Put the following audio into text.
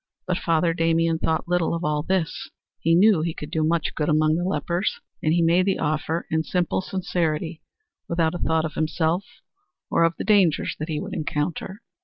But Father Damien thought little of all this; he knew that he could do much good among the lepers, and he made the offer in simple sincerity without a thought of himself or of the dangers that he would encounter.